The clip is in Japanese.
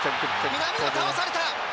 南野、倒された。